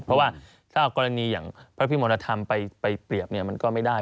เพราะว่าถ้าเอากรณีอย่างพระพิมรธรรมไปเปรียบเนี่ยมันก็ไม่ได้